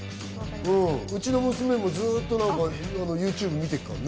うちの娘もずっとＹｏｕＴｕｂｅ見てっからね。